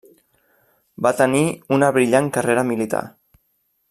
Va tenir una brillant carrera militar.